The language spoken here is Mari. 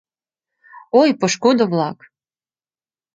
— Ой, пошкудо-влак!